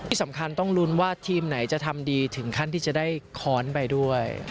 สำคัญต้องลุ้นว่าทีมไหนจะทำดีถึงขั้นที่จะได้ค้อนไปด้วย